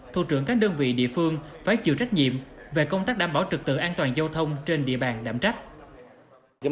thủ trưởng các đơn vị địa phương phải chịu trách nhiệm về công tác đảm bảo trực tự an toàn giao thông trên địa bàn đảm trách